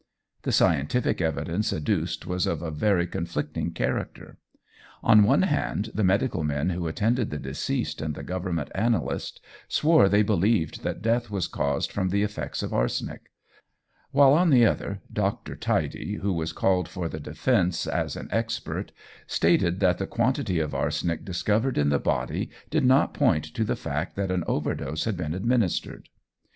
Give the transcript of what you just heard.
The scientific evidence adduced was of a very conflicting character. On one hand, the medical men who attended the deceased, and the Government analyst, swore they believed that death was caused from the effects of arsenic; while on the other, Dr. Tidy, who was called for the defence, as an expert stated that the quantity of arsenic discovered in the body did not point to the fact that an overdose had been administered.